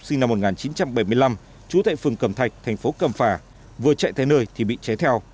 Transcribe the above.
sinh năm một nghìn chín trăm bảy mươi năm trú tại phường cầm thạch thành phố cầm phà vừa chạy tới nơi thì bị cháy theo